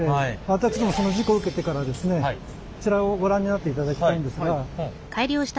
私どもその事故を受けてからですねこちらをご覧になっていただきたいんですが。